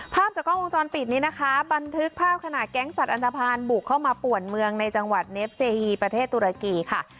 ภาพจากกล้องวงจรปิดนี้นะคะบันทึกภาพขณะแก๊งสัตว์อันตภัณฑ์บุกเข้ามาป่วนเมืองในจังหวัดเนฟเซฮีประเทศตุรกีค่ะ